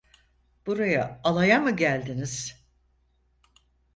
Buraya alaya mı geldiniz?